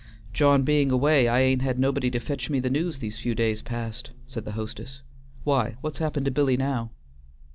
"John being away, I ain't had nobody to fetch me the news these few days past," said the hostess. "Why what's happened to Billy now?"